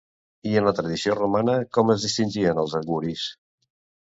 I en la tradició romana com es distingien els auguris?